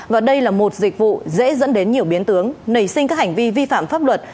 và đây là một dịch vụ dễ dẫn đến nhiều biến tướng nảy sinh các hành vi vi phạm pháp luật